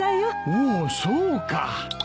おおそうか。